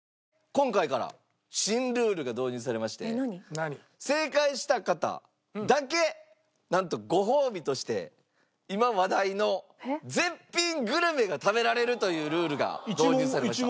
今回から新ルールが導入されまして正解した方だけなんとご褒美として今話題の絶品グルメが食べられるというルールが導入されました。